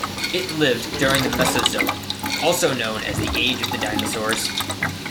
It lived during the Mesozoic, also known as the age of the dinosaurs.